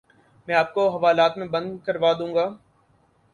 میں آپ کو حوالات میں بند کروا دوں گا